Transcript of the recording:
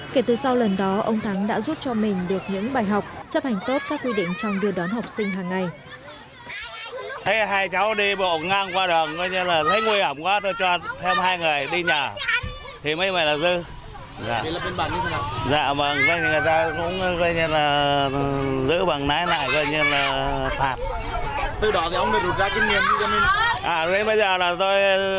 kể từ sau lần đó ông thắng đã giúp cho mình được những bài học chấp hành tốt các quy định trong đưa đón học sinh hàng ngày